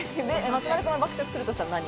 松丸君は爆食するとしたら何？